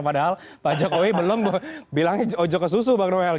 padahal pak jokowi belum bilangnya ojo ke susu bang noel